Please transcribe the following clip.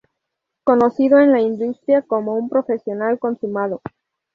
Conocido en la industria como un profesional consumado.